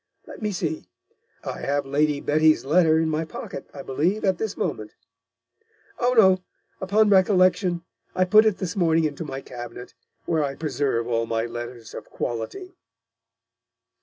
Let me see, I have Lady Betty's Letter in my Pocket, I believe, at this Moment. Oh no, upon Recollection, I put it this morning into my Cabinet, where I preserve all my Letters of Quality.'